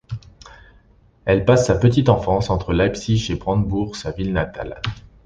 Elle passe sa petite enfance entre Leipzig et Brandebourg sa ville natale.